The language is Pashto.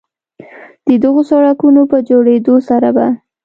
د دغو سړکونو په جوړېدو سره به